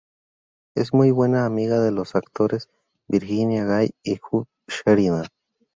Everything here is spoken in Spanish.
Es muy buena amiga de los actores Virginia Gay y Hugh Sheridan.